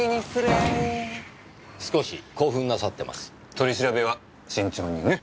取り調べは慎重にね。